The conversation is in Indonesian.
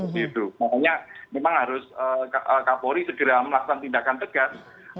makanya memang harus kapolri segera melakukan tindakan tegas